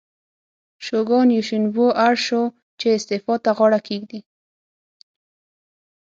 شوګان یوشینوبو اړ شو چې استعفا ته غاړه کېږدي.